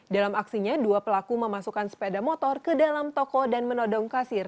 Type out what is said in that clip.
dalam aksinya dua pelaku memasukkan sepeda motor ke dalam toko dan menodong kasir